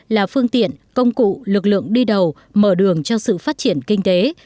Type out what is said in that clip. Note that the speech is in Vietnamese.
là phương tiện công cụ lực lượng đi đầu mở đường cho sự phát triển kinh tế